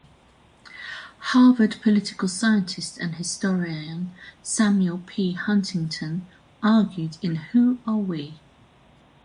Harvard political scientist and historian Samuel P. Huntington argued in Who Are We?